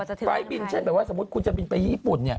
ไฟล์บินเช่นแบบว่าสมมุติคุณจะบินไปญี่ปุ่นเนี่ย